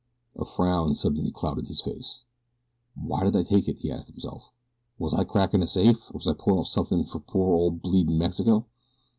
A frown suddenly clouded his face. "Why did I take it?" he asked himself. "Was I crackin' a safe, or was I pullin' off something fine fer poor, bleedin' Mexico?